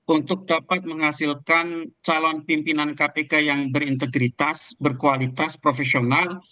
untuk dapat menghasilkan calon pimpinan kpk yang berintegritas berkualitas profesional